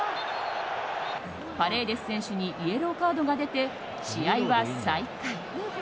パレーデス選手にイエローカードが出て試合は再開。